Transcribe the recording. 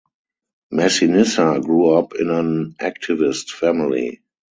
Massinissa grew up in an activist family.